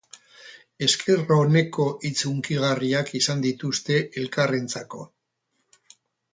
Esker oneko hitz hunkigarriak izan dituzte elkarrentzako.